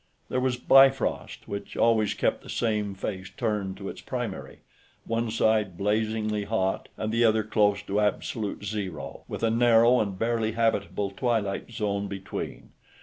There was Bifrost, which always kept the same face turned to its primary; one side blazingly hot and the other close to absolute zero, with a narrow and barely habitable twilight zone between.